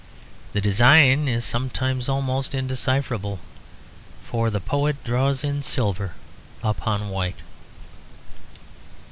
The design is sometimes almost indecipherable, for the poet draws in silver upon white.